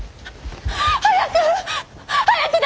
早く！